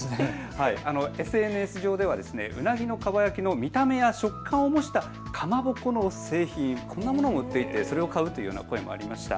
ＳＮＳ上ではうなぎのかば焼きの見た目や食感を模したかまぼこの製品、そんなものを買うという声もありました。